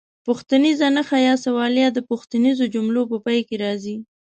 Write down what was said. پوښتنیزه نښه یا سوالیه د پوښتنیزو جملو په پای کې راځي.